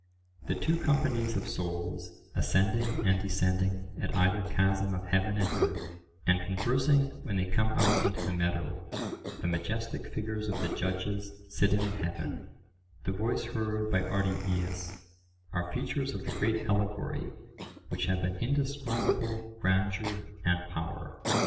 The two companies of souls, ascending and descending at either chasm of heaven and earth, and conversing when they come out into the meadow, the majestic figures of the judges sitting in heaven, the voice heard by Ardiaeus, are features of the great allegory which have an indescribable grandeur and power.